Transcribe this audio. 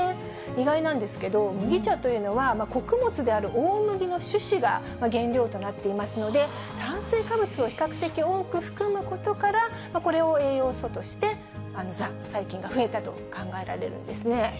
意外なんですけど、麦茶というのは、穀物である大麦の種子が原料となっていますので、炭水化物を比較的多く含むことから、これを栄養素として細菌が増えたと考えられるんですね。